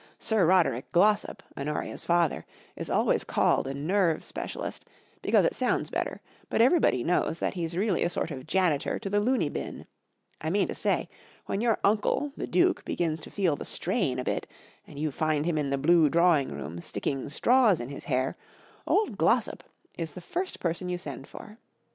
Sir lioderic k Glossop, Hoi orta's father, is always called a nerve specialist, because it sounds bet¬ ter, but everybody knows that he's really a sort of janitor to the looney bin, 1 mean to say, when your uncle the Duke begins to feel the strain a bit and you find him in the blue d r a w i n g room sticking straws in bis hair, old G1 os sop is the first person you send for.